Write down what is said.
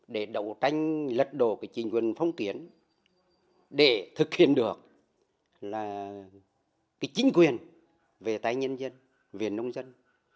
để đậu tranh lật đổ chính quyền phong kiến để thực hiện được chính quyền về tài nhân dân về nông dân